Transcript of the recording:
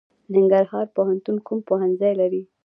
ننګرهار پوهنتون کوم پوهنځي لري؟